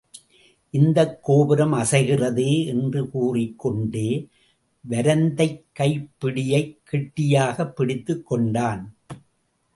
இந்தக் கோபுரம் அசைகிறதே! என்று கூறிக்கொண்டே, வரந்தைக் கைப்பிடியைக் கெட்டியாகப் பிடித்துக் கொண்டான்.